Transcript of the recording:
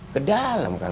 ke dalam kang dadang